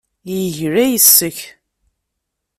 Yegla yes-k.